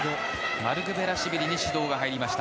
マルクベラシュビリに指導が入りました。